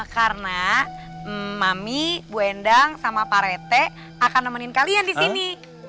karena mami bu endang sama pak rete akan nemenin kalian di sini